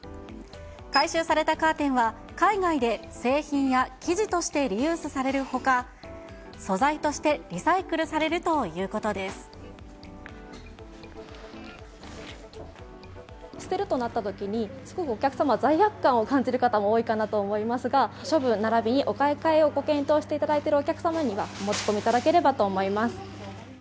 回収されたカーテンは、海外で製品や生地としてリユースされるほか、素材としてリサイクルされる捨てるとなったときに、すごくお客様、罪悪感を感じる方も多いかなと思いますが、処分ならびにお買い替えをご検討していただいてるお客様には、お持ち込みいただければと思います。